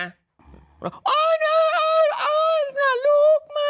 อั้ยอ่านะลูก